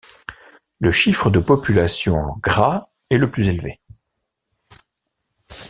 Le chiffre de population en gras est le plus élevé.